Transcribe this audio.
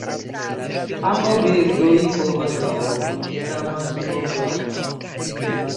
Ambaŭ birdoj kovas la ovon; la masklo la unua.